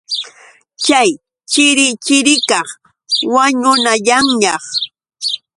Chay chirichirikaq wañunayanñaq.